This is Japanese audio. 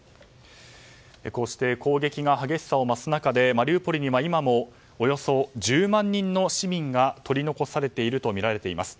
こうして攻撃が激しさを増す中でマリウポリには今もおよそ１０万人の市民が取り残されているとみられています。